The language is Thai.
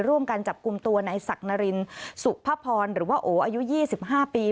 ร่วมกันจับกลุ่มตัวในศักดรินสุพพรหรือว่าโออายุ๒๕ปี